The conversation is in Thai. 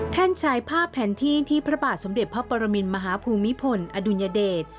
ชายภาพแผนที่ที่พระบาทสมเด็จพระปรมินมหาภูมิพลอดุลยเดช